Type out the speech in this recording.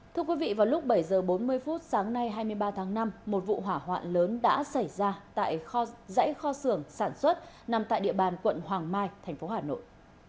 thưa quý vị vào lúc bảy h bốn mươi phút sáng nay hai mươi ba tháng năm một vụ hỏa hoạn lớn đã xảy ra tại kho dãy kho xưởng sản xuất nằm tại địa bàn quận hoàng mai thành phố hà nội